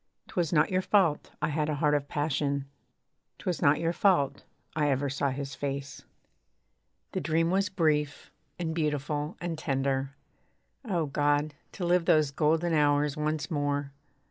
'Twas not your fault I had a heart of passion; 'Twas not your fault I ever saw his face. The dream was brief, and beautiful, and tender, (O God! to live those golden hours once more.